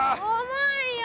重いよ！